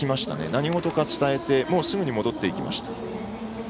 何事か伝えてすぐに戻っていきました。